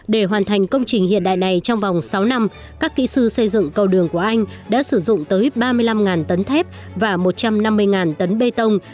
để hoàn thành công trình hiện đại này trong vòng sáu năm các kỹ sư xây dựng cầu đường của anh đã sử dụng tới ba mươi năm tấn thép và một trăm năm mươi tấn bê tông